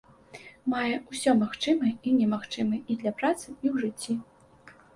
Мае ўсё магчымае і немагчымае і для працы, і ў жыцці.